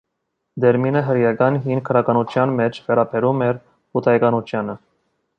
Տերմինը հրեական հին գրականության մեջ վերաբերում էր հուդայականությանը։